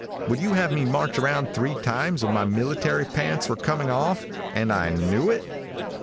Would you have me march around three times when my military pants were coming off, and I knew it?